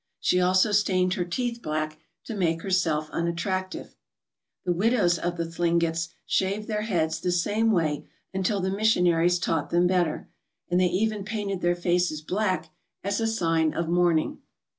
She also stained her teeth black to make herself unattractive. The widows of the Thlingets shaved their heads the same way until the missionaries taught them better, and they even painted their faces black as a sign of mourning.